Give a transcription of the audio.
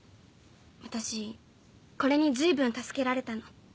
私これにずいぶん助けられたの。